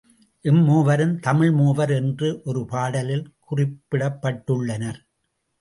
இம் மூவரும் தமிழ் மூவர் என்று ஒரு பாடலில் குறிப்பிடப்பட்டுள்ளனர்.